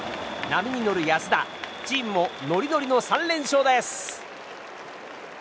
波に乗る安田チームもノリノリの３連勝です！